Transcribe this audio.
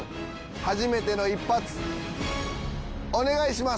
初めての一発お願いします。